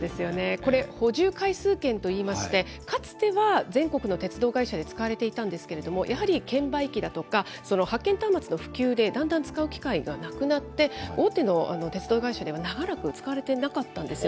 これ、補充回数券といいまして、かつては全国の鉄道会社で使われていたんですけれども、やはり券売機だとか、発券端末の普及でだんだん使う機会がなくなって、大手の鉄道会社では長らく使われてなかったんですよ。